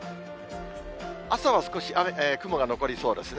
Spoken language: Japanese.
朝は少し雲が残りそうですね。